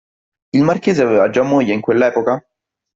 Il marchese aveva già moglie in quell'epoca?